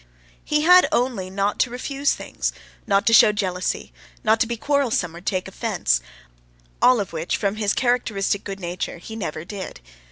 He had only not to refuse things, not to show jealousy, not to be quarrelsome or take offense, all of which from his characteristic good nature he never did.